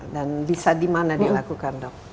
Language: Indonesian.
dan bisa dimana dilakukan dok